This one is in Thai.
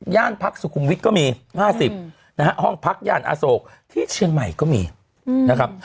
พักสุขุมวิทย์ก็มี๕๐นะฮะห้องพักย่านอโศกที่เชียงใหม่ก็มีนะครับ